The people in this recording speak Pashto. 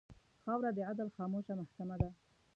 خاوره د عدل خاموشه محکمـه ده.